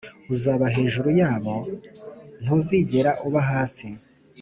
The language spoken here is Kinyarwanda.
uzaba hejuru yabo, ntuzigera uba hasi.